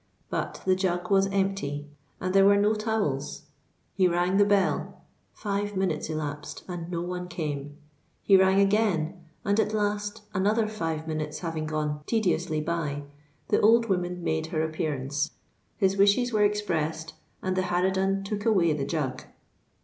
But the jug was empty; and there were no towels. He rang the bell: five minutes elapsed—and no one came. He rang again; and at last, another five minutes having gone tediously by, the old woman made her appearance. His wishes were expressed; and the harridan took away the jug.